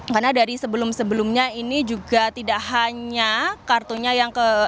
karena dari sebelum sebelumnya ini juga tidak hanya kartunya yang ke